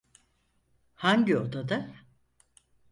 Hangi odada?